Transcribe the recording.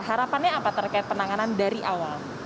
harapannya apa terkait penanganan dari awal